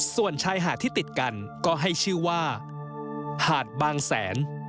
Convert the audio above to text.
ส่วนชายหาดที่ติดกันก็ให้ชื่อว่าหาดบางแสน